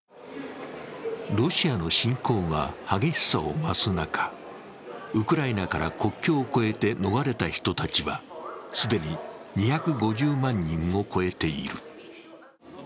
ロシアの侵攻が激しさを増す中、ウクライナから国境を越えて逃れた人たちは既に２５０万人を超えている。